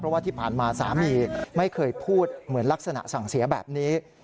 เพราะว่าที่ผ่านมาสามีไม่เคยพูดเหมือนลักษณะสั่งเสียแบบนี้